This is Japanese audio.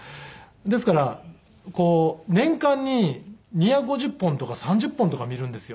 ですから年間に２５０本とか２３０本とか見るんですよ。